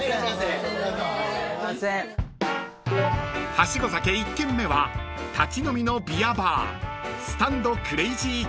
［ハシゴ酒１軒目は立ち飲みのビアバー］